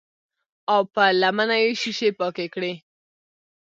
او پۀ لمنه يې شيشې پاکې کړې